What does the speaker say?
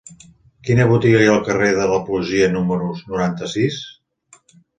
Quina botiga hi ha al carrer de la Poesia número noranta-sis?